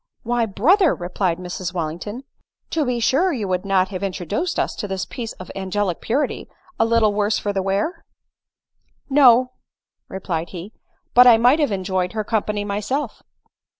" Why, brother," replied Mrs Wallington, " to be sure you would not have introduced us to this piece of angelic purity, a little worse for the wear !" "No," replied he; "but I might have enjoyed her company myself."